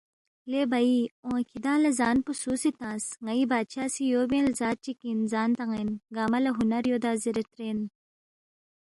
لے بھئی اون٘ا کِھدانگ لہ زان پو سُو سی تنگس؟ ن٘ئی بادشاہ سی یو بین لزا چِک اِن زان تان٘ین گنگمہ لہ ہُنر یودا زیرے ترین